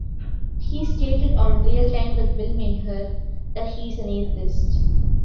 He stated on "Real Time with Bill Maher" that he is an atheist.